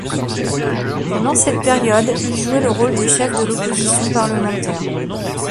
Pendant cette période il jouait le rôle de chef de l’opposition parlementaire.